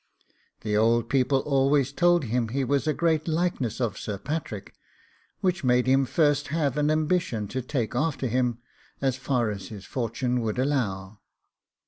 The old people always told him he was a great likeness of Sir Patrick, which made him first have an ambition to take after him, as far as his fortune should allow.